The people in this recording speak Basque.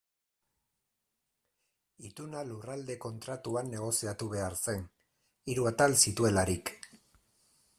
Ituna Lurralde Kontratuan negoziatu behar zen, hiru atal zituelarik.